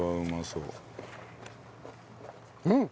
うん！